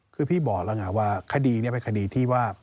คือพี่บอกแล้วไงว่าคดีนี้เป็นคดีที่ว่า